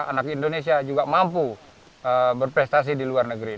anak indonesia juga mampu berprestasi di luar negeri